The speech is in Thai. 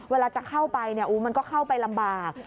เวลาจะเข้าไปมันก็เข้าไปลำบาก